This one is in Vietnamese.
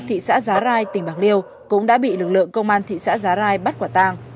thị xã giá rai tỉnh bạc liêu cũng đã bị lực lượng công an thị xã giá rai bắt quả tàng